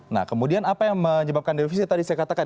nah kemudian apa yang menyebabkan defisit tadi saya katakan